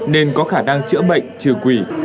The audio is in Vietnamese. nên có khả năng chữa bệnh trừ quỷ